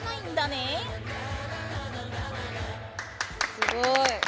すごい。